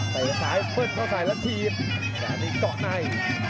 แต่ซ้ายเปิดเข้าสายละทีแต่มีเกาะใน